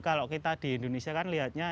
kalau kita di indonesia kan lihatnya